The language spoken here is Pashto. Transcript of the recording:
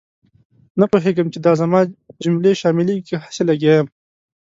نه پوهېږم چې دا زما جملې شاملېږي که هسې لګیا یم.